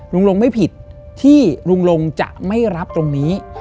ลุงลงไม่ผิดที่ลุงลงจะไม่รับตรงนี้